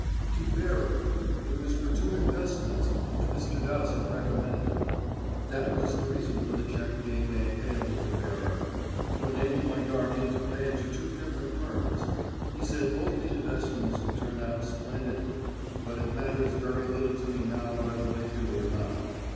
"To 'bearer.' It was for two investments which Mr. Dowsett recommended. That was the reason for the cheque being made payable to 'bearer,' to enable my guardian to pay it to two different firms. He said both the investments would turn out splendidly, but it matters very little to me now whether they do or not.